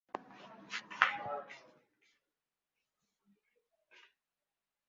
আমরা ইতোমধ্যে অনেক দেব-দেবীর পূজা করেছি।